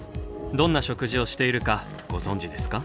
どんな食事をしているかご存じですか？